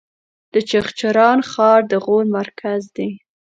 د چغچران ښار د غور مرکز دی